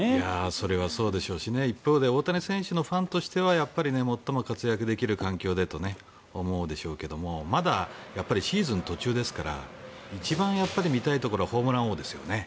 それはそうでしょうし一方で大谷選手のファンとしては最も活躍できる環境でと思うでしょうがまだシーズン途中ですから一番見たいところはホームラン王ですよね。